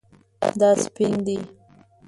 دا سپین دی